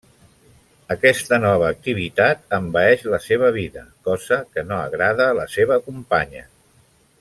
Aquesta nova activitat envaeix la seva vida, cosa que no agrada a la seva companya.